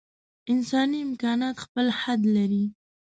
انساني امکانات خپل حد لري.